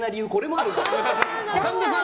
神田さん